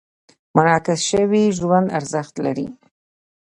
منعکس شوي ژوند ارزښت لري.